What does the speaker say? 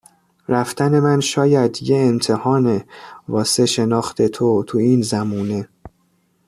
رفتن من شاید یه امتحانه واسه شناخت تو تو این زمونه